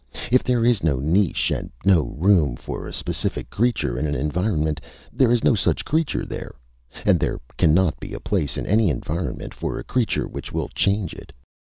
If there is no niche and no room for a specific creature in an environment, there is no such creature there! And there cannot be a place in any environment for a creature which will change it.